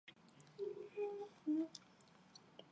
黄绿薹草为莎草科薹草属的植物。